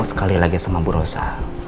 sekali lagi sama burosa